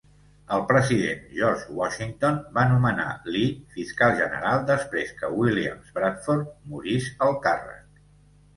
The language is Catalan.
El president George Washington va nomenar Lee Fiscal General després que William Bradford morís al càrrec.